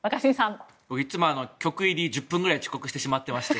いつも局入り１０分ぐらい遅刻してしまってまして